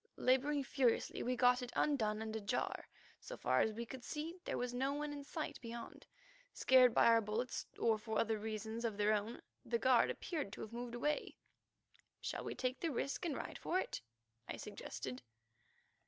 Labouring furiously we got it undone and ajar. So far as we could see there was no one in sight beyond. Scared by our bullets or for other reasons of their own, the guard there appeared to have moved away. "Shall we take the risk and ride for it?" I suggested.